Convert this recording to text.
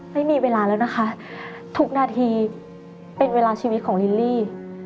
ไม่มีเวลาแล้วนะคะทุกนาทีเป็นเวลาชีวิตของลิลลี่